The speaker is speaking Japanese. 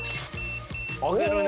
上げるね。